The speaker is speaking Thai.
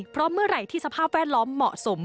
เพราะเมื่อไหร่ที่สภาพแวดล้อมเหมาะสม